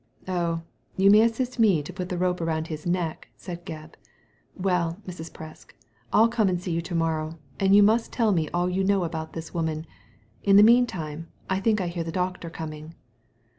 '* ^Oh, you may assist me to put the rope round his neck," said Gebb. "Well, Mrs. Presk, I'll come and see you to morrow, and you must tell me all you know about this woman. In the mean time, I think I hear the doctor coming."